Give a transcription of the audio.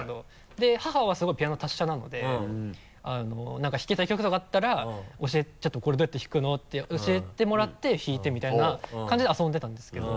で母はすごいピアノ達者なので何か弾きたい曲とかあったら「ちょっとこれどうやって弾くの？」って教えてもらって弾いてみたいな感じで遊んでたんですけど。